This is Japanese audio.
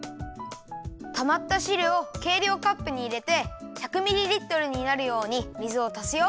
たまったしるをけいりょうカップにいれて１００ミリリットルになるように水をたすよ。